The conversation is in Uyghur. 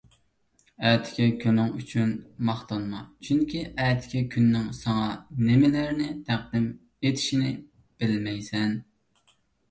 ئەتىكى كۈنۈڭ ئۈچۈن ماختانما، چۈنكى ئەتىكى كۈننىڭ ساڭا نېمىلەرنى تەقدىم ئېتىشىنى بىلمەيسەن.